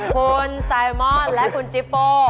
คุณไซมอนและคุณจิโป้